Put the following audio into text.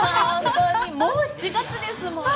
もう７月ですもんね。